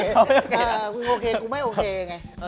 กูโอเคกูไม่โอเคไง